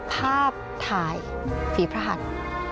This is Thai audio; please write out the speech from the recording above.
ภาพถ่ายฝีพระหัส